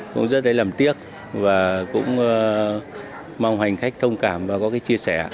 cũng rất làm tiếc và cũng mong hành khách thông cảm và có cái chia sẻ